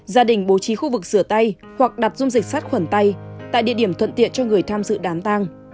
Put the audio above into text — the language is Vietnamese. gia đình bố trí khu vực rửa tay hoặc đặt dung dịch sát khuẩn tay tại địa điểm thuận tiện cho người tham dự đám tang